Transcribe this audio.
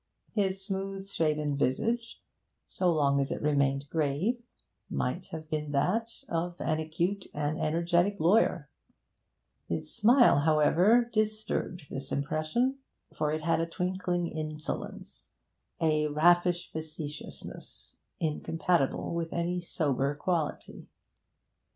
His smooth shaven visage, so long as it remained grave, might have been that of an acute and energetic lawyer; his smile, however, disturbed this impression, for it had a twinkling insolence, a raffish facetiousness, incompatible with any sober quality.